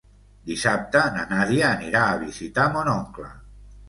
Dissabte na Nàdia anirà a visitar mon oncle.